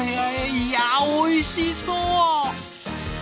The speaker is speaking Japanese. いやおいしそう！